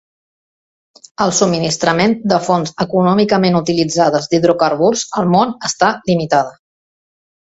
El subministrament de fonts econòmicament utilitzables d'hidrocarburs al món està limitada.